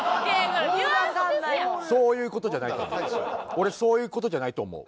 俺そういう事じゃないと思う。